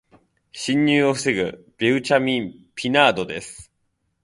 侵入を防ぐベウチェミン・ピナードです。